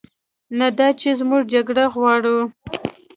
نه دا چې موږ جګړه غواړو،